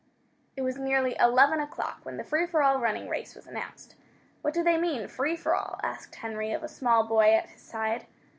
It was nearly eleven o'clock when the free for all running race was announced. "What do they mean free for all?" asked Henry of a small boy at his side.